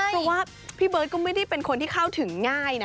เพราะว่าพี่เบิร์ตก็ไม่ได้เป็นคนที่เข้าถึงง่ายนะ